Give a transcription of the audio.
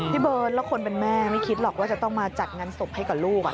พี่เบิร์ตแล้วคนเป็นแม่ไม่คิดหรอกว่าจะต้องมาจัดงานศพให้กับลูก